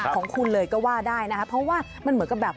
ของคุณเลยก็ว่าได้นะคะเพราะว่ามันเหมือนกับแบบ